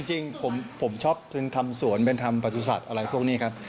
จริงผมชอบทำสวนเป็นทำประสุทธิ์อะไรพวกนี้ครับ